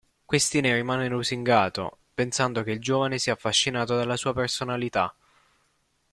Questi ne rimane lusingato, pensando che il giovane sia affascinato dalla sua personalità.